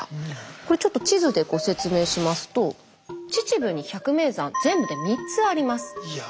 これちょっと地図でご説明しますと秩父に百名山全部で３つあります。